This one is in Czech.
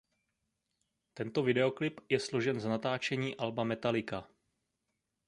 Tento videoklip je složen z natáčení alba Metallica.